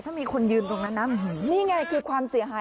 ถ้ามีคนยืนตรงนั้นนะนี่ไงคือความเสียหาย